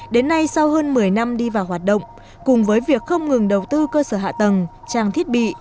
đến nay sau hơn một mươi năm đi vào hoạt động cùng với việc không ngừng đầu tư cơ sở hạ tầng trang thiết bị